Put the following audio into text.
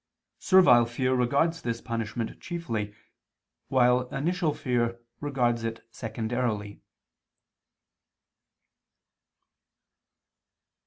Servile fear regards this punishment chiefly, while initial fear regards it secondarily.